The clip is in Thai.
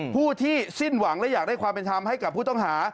ผู้ที่สิ้นหวังและอยากได้ความเป็นธรรมให้กับผู้ต้องหา